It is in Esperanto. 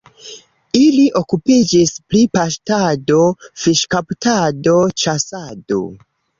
Ili okupiĝis pri paŝtado, fiŝkaptado, ĉasado.